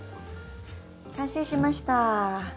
完成しました。